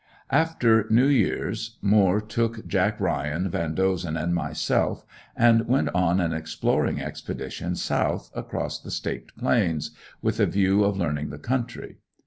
After New Year's, Moore took Jack Ryan, Vandozen and myself and went on an exploring expedition south, across the Staked plains, with a view of learning the country.